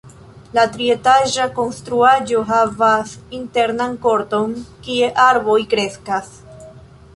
La trietaĝa konstruaĵo havas internan korton, kie arboj kreskas.